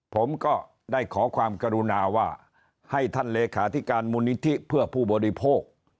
ผมก็ได้ขอความกรุณาว่าให้ท่านเลขาธิการมูลนิธิเพื่อผู้บริโภค